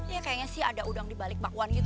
ya kayaknya sih ada udang di balik belakang